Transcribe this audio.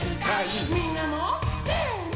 みんなもせの！